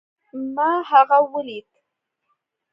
ما هغه وليد